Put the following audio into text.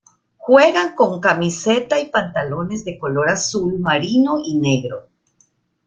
Juegan con camiseta y pantalones de color azul marino y negro.